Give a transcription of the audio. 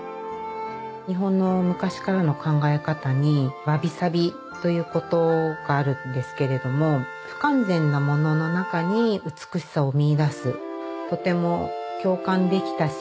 日本の昔からの考え方に「わびさび」という事があるんですけれども不完全なものの中に美しさを見いだす。